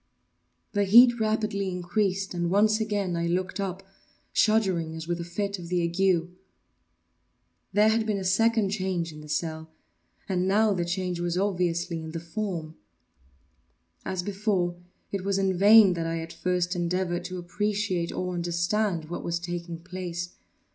The heat rapidly increased, and once again I looked up, shuddering as with a fit of the ague. There had been a second change in the cell—and now the change was obviously in the form. As before, it was in vain that I, at first, endeavoured to appreciate or understand what was taking place.